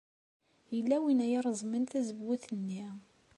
Yella win ay ireẓmen tazewwut-nni.